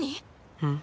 うん？